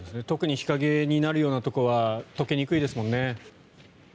特に日陰になるようなところは解けにくいですもんね。